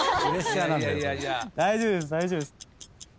大丈夫です大丈夫です。